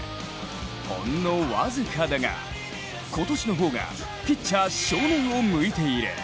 ほんの僅かだが今年の方がピッチャー正面を向いている。